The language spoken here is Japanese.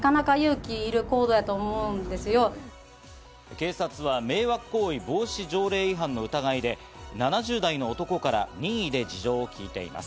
警察は迷惑行為防止条例違反の疑いで７０代の男から任意で事情を聞いています。